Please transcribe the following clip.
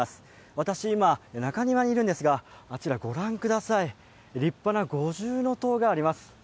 私は今、中庭にいるんですがあちらご覧ください、立派な五重の塔があります。